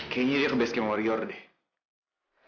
kayaknya dia udah berbisnis sama wario deh